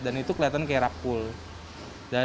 dan itu kelihatan kayak rug pull